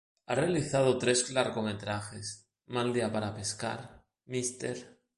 Ha realizado tres largometrajes "Mal día para pescar", "Mr.